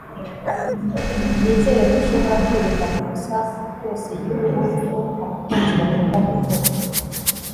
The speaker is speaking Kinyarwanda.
nizere ko ushobora kwirinda amakosa yose yubupfu abakunzi bakunda gukora